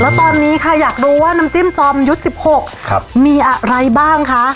และตอนนี้ค่ะอยากรู้ว่านำจิ้มจอมยุสสิบหกครับมีอะไรบ้างค่ะ